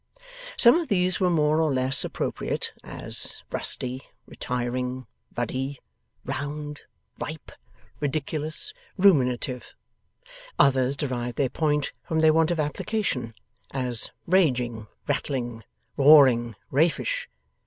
Some of these were more or less appropriate: as Rusty, Retiring, Ruddy, Round, Ripe, Ridiculous, Ruminative; others, derived their point from their want of application: as Raging, Rattling, Roaring, Raffish.